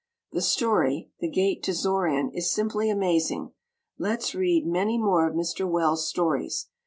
The story "The Gate to Xoran" is simply amazing. Let's read many more of Mr. Wells stories.